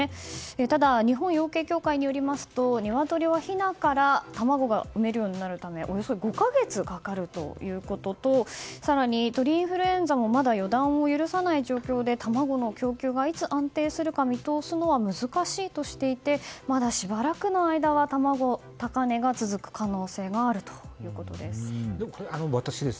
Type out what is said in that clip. ただ、日本養鶏協会によりますとニワトリはひなから卵を産めるようになるまでおよそ５か月かかるということと更に鳥インフルエンザもまだ予断を許さない状況で卵の供給がいつ安定するか見通すのは難しいとしていてまだしばらくの間は卵の高値が続く可能性があるということです。